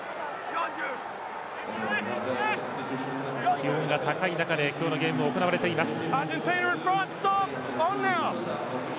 気温が高い中で今日のゲーム、行われています。